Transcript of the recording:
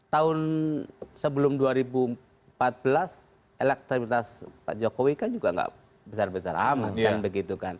tahun sebelum dua ribu empat belas elektabilitas pak jokowi kan juga gak besar besar amat